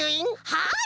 はい！